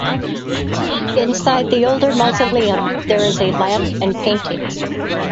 Inside the older mausoleum there is a lamp and paintings.